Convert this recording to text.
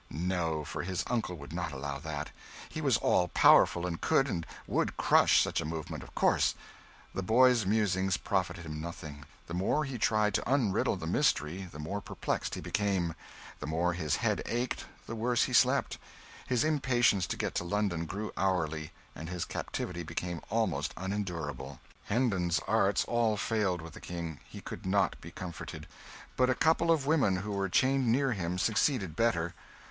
No, for his uncle would not allow that he was all powerful and could and would crush such a movement, of course. The boy's musings profited him nothing; the more he tried to unriddle the mystery the more perplexed he became, the more his head ached, and the worse he slept. His impatience to get to London grew hourly, and his captivity became almost unendurable. Hendon's arts all failed with the King he could not be comforted; but a couple of women who were chained near him succeeded better.